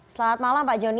selamat malam pak joni